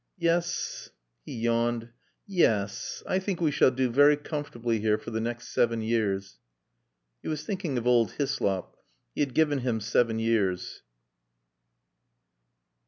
"Yes" (he yawned). "Ye hes. I think we shall do very comfortably here for the next seven years." He was thinking of old Hyslop. He had given him seven years.